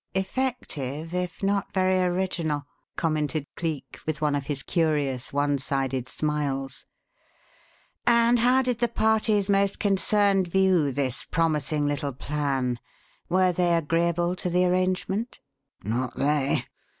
"Effective if not very original," commented Cleek, with one of his curious one sided smiles. "And how did the parties most concerned view this promising little plan? Were they agreeable to the arrangement?" "Not they.